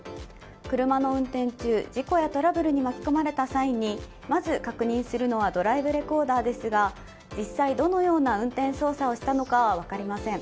車の運転中、事故やトラブルに巻き込まれた際にまず確認するのはドライブレコーダーですが実際、どのような運転操作をしたのかは分かりません。